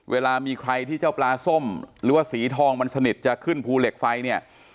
เวลามีใครที่เจ้าปลาส้มหรือว่าสีทองมันสนิทจะขึ้นภูเหล็กไฟเนี่ย